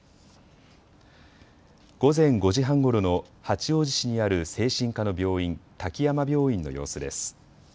午前５時半ごろの八王子市にある精神科の病院、滝山病院の様子です。